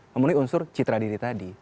memenuhi unsur citra diri tadi